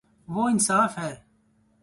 وہ انصا ف ہے